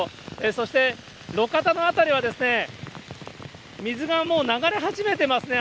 そして路肩の辺りは水がもう、流れ始めてますね。